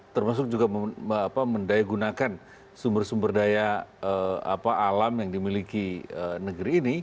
termasuk juga mendayagunakan sumber sumber daya alam yang dimiliki negeri ini